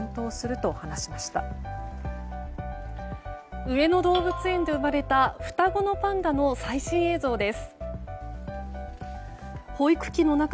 東京の上野動物園で先月生まれた双子のパンダの最新映像です。